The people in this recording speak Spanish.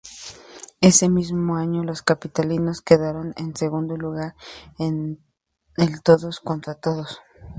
Ese mismo año, los Capitalinos quedaron en segundo lugar en el todos contra todos.